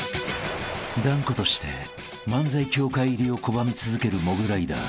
［断固として漫才協会入りを拒み続けるモグライダー］